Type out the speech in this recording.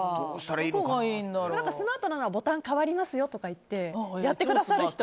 スマートなのはボタン変わりますよとか言ってくれてやってくださる人。